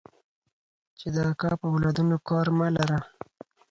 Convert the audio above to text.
چې د اکا په اولادونو کار مه لره.